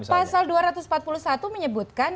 pasal dua ratus empat puluh satu menyebutkan